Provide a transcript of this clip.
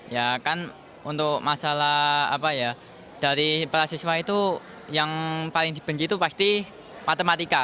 ya kan untuk masalah apa ya dari para siswa itu yang paling dibenci itu pasti matematika